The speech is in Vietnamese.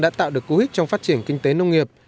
đã tạo được cú hích trong phát triển kinh tế nông nghiệp